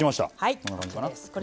こんな感じかな。